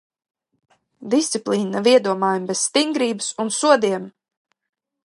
Disciplīna nav iedomājama bez stingrības un sodiem.